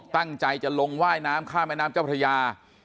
ตั้งใจจะลงว่ายน้ำข้ามแม่น้ำเจ้าพระยา